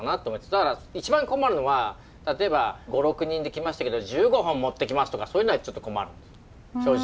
だから一番困るのは例えば５６人で来ましたけど１５本持ってきますとかそういうのはちょっと困るんです正直。